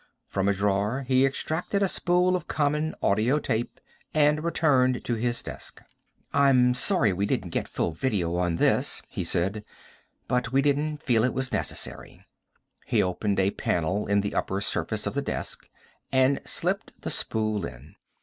From a drawer he extracted a spool of common audio tape, and returned to his desk. "I'm sorry we didn't get full video on this," he said, "but we didn't feel it was necessary." He opened a panel in the upper surface of the desk, and slipped the spool in.